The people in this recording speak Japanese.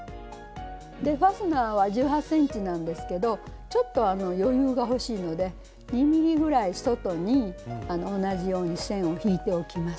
でファスナーは１８ｃｍなんですけどちょっと余裕がほしいので２ｍｍぐらい外に同じように線を引いておきます。